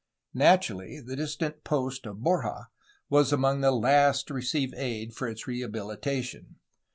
Naturally, the distant post of Borja was among the last to receive aid for its rehabilitation.